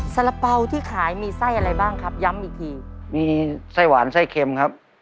สาระเป๋าที่ขายมีไส้อะไรบ้างครับย้ำอีกทีมีไส้หวานไส้เค็มครับ